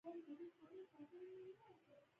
که مالیاتي نظام شفاف نه وي، فساد ډېرېږي.